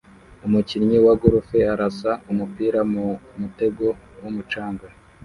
Umukinnyi wa golf arasa umupira mu mutego wumucanga